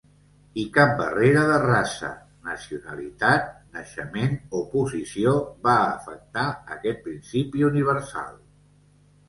I cap barrera de raça, nacionalitat, naixement o posició va afectar aquest principi universal.